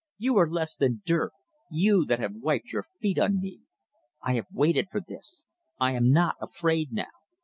You are less than dirt, you that have wiped your feet on me. I have waited for this. I am not afraid now.